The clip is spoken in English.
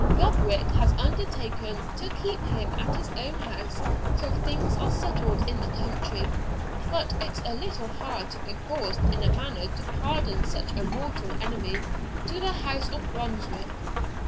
Rubrick has undertaken to keep him at his own house till things are settled in the country; but it's a little hard to be forced in a manner to pardon such a mortal enemy to the House of Brunswick."